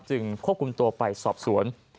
ควบคุมตัวไปสอบสวน